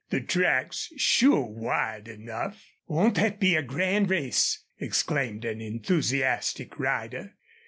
"The track's sure wide enough." "Won't thet be a grand race!" exclaimed an enthusiastic rider.